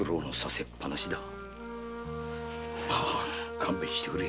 勘弁してくれ。